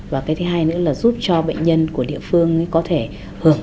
và cái thứ hai nữa là giúp cho bệnh nhân của địa phương có thể hưởng